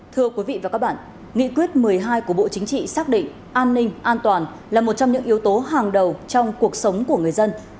thưa quý vị và các bạn nghị quyết một mươi hai của bộ chính trị xác định an ninh an toàn là một trong những yếu tố hàng đầu trong cuộc sống của người dân